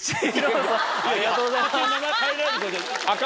ありがとうございます。